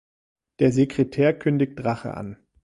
Der Sekretär kündigt Rache an.